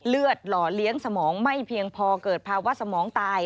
หล่อเลี้ยงสมองไม่เพียงพอเกิดภาวะสมองตาย